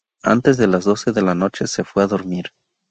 Antes de las doce de la noche se fue a dormir.